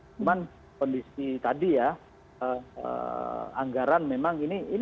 cuman kondisi tadi ya anggaran memang ini